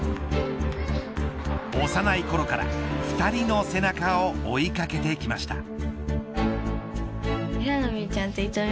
幼いころから２人の背中を追い掛けてきました。